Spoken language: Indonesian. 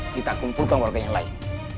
kita kumpulkan warga yang lain